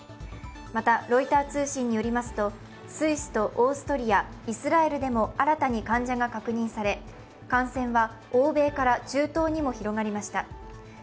また、ロイター通信によりますとスイスとオーストリア、イスラエルでも新たに患者が確認され感染は欧米から中東にも広がりました。